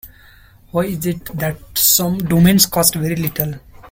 Why is it that some domains cost very little.